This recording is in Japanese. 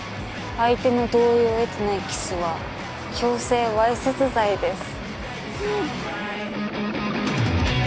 相手の同意を得てないキスは強制わいせつ罪です。